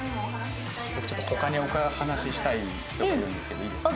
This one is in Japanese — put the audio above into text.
僕ちょっと他に話したい人がいるんですけどいいですか？